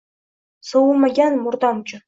Sovumagan murdam uchun